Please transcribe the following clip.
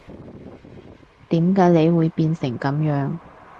點解你會變成噉樣